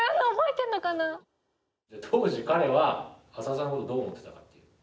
当時彼は浅田さんの事どう思ってたかっていうのは？